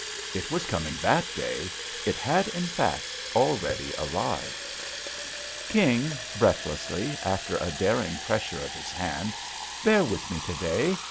It was coming that day. It had in fact already arrived. "King," breathlessly, after a daring pres sure of his hand, "bear with me to day.